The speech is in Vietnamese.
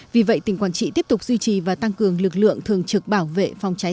vì vậy tỉnh quảng trị tiếp tục duy trì và tăng cường lực lượng thường trực bảo vệ phòng cháy